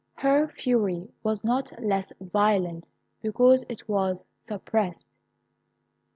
Her fury was not less violent because it was suppressed.